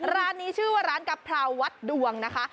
ร้านนี้ชื่อว่าร้านกะเพราวัดดวงนะคะ